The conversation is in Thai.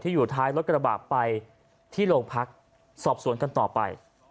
อยู่ท้ายรถกระบะไปที่โรงพักสอบสวนกันต่อไป